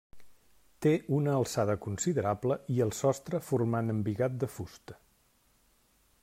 Té una alçada considerable i el sostre formant embigat de fusta.